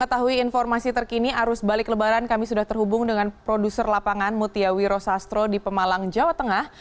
ketahui informasi terkini arus balik lebaran kami sudah terhubung dengan produser lapangan mutiawi rosastro di pemalang jawa tengah